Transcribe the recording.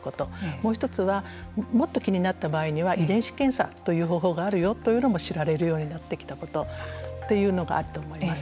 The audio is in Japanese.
もう一つはもっと気になった場合には遺伝子検査という方法があるよというのも知られるようになってきたというのがあると思います。